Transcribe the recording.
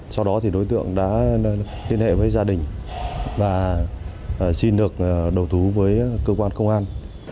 sau đó thì đối tượng đã liên hệ với gia đình và xin được đầu thú với cơ quan công an